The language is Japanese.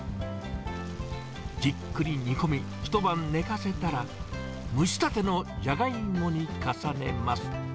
じっくり煮込み、一晩寝かせたら、蒸したてのジャガイモに重ねます。